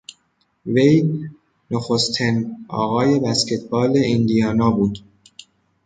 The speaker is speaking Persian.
وی نخستن “آقای بسکتبال” ایندیانا بود..